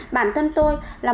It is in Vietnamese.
bản thân tôi là một người dân